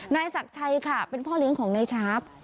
นายศักดิ์ชัยค่ะเป็นพ่อเลี้ยงของนายชาร์ฟ